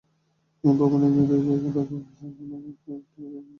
ভবনের নির্ধারিত জায়গার বাকি অংশে এখনো একটি একতলা জরাজীর্ণ মার্কেট আছে।